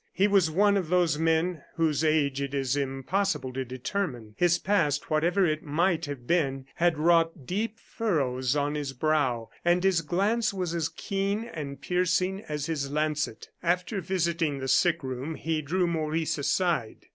He was one of those men whose age it is impossible to determine. His past, whatever it might have been, had wrought deep furrows on his brow, and his glance was as keen and piercing as his lancet. After visiting the sick room, he drew Maurice aside.